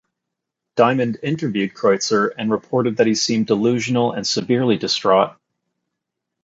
Diamond interviewed Kreutzer and reported that he seemed delusional and severely distraught.